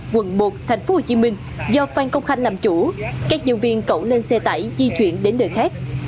quận một tp hcm do phan công khanh làm chủ các nhân viên cẩu lên xe tải di chuyển đến nơi khác